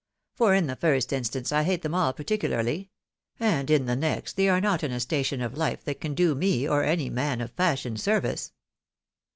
For, in the first instance, I hate them all particularly ; and in the next, they are not in a station of life that can do me, or any man of fashion, service."